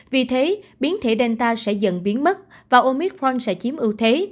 vì thế biến thể delta sẽ dần biến mất và omicron sẽ chiếm ưu thế